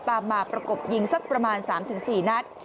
ตามมาประกบยิงสักประมาณ๓๔นัด